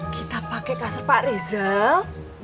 kita pakai kasur pak rizal